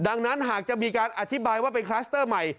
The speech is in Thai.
ดังนั้นหากจะมีการอธิบายว่าเป็นคลัสเตอร์ใหม่